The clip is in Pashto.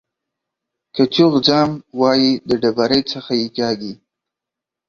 که چوخ ځم وايي د ډبرۍ څخه يې کاږي.